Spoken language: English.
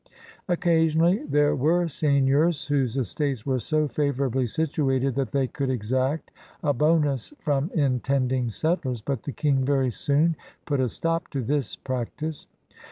Occasionally there were seigneurs whose estates were so favorably situated that they could exact a bonus from intending settlers, but the King very soon put a stop to this practice.